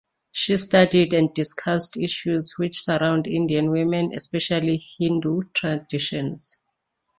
She studied and discussed issues which surround Indian women, especially Hindu traditions.